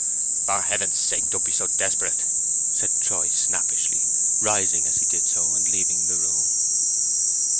"For Heaven's sake don't be so desperate!" Troy said, snappishly, rising as he did so, and leaving the room.